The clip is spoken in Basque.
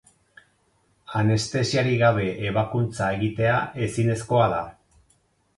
Anestesiarik gabe ebakuntza egitea ezinezkoa da.